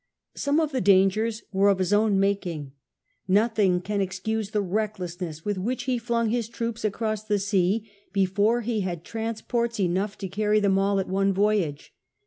Some of the dangers were of liis own making ; nothing can es:cu8e the recklessness with which he Hung his trooi)S acx'oss the sea before he had transports enough to carry them all at one voyage.